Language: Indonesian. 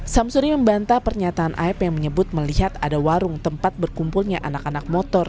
samsuri membantah pernyataan aep yang menyebut melihat ada warung tempat berkumpulnya anak anak motor